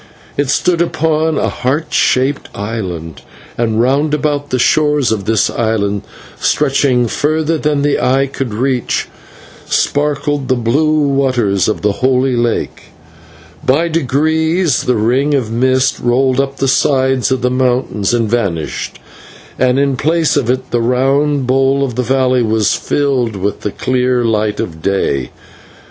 It stood upon a heart shaped island, and round about the shores of this island, stretching further than the eye could reach, sparkled the blue waters of the Holy Lake. By degrees the ring of mist rolled up the sides of the mountains and vanished, and in place of it the round bowl of the valley was filled with the clear light of day.